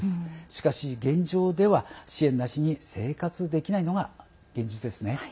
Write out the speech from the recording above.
しかし、現状では支援なしに生活できないのが現実ですね。